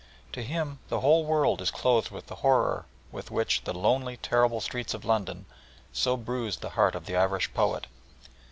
To him the whole world is clothed with the horror with which "the lonely, terrible streets of London" so bruised the heart of the Irish poet.